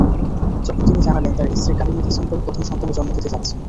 যখন তিনি জানালেন, তাঁর স্ত্রী কারিনা ডিসেম্বরে প্রথম সন্তানের জন্ম দিতে যাচ্ছেন।